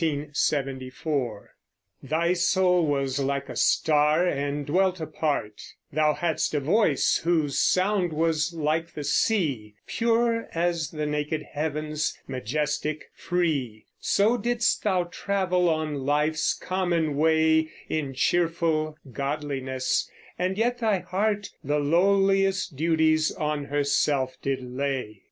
JOHN MILTON (1608 1674) Thy soul was like a star and dwelt apart; Thou hadst a voice whose sound was like the sea Pure as the naked heavens, majestic, free; So didst thou travel on life's common way In cheerful godliness: and yet thy heart The lowliest duties on herself did lay.